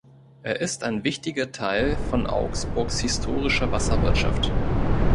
Er ist ein wichtiger Teil von Augsburgs historischer Wasserwirtschaft.